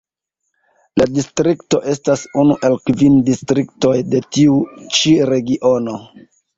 La distrikto estas unu el kvin distriktoj de tiu ĉi Regiono.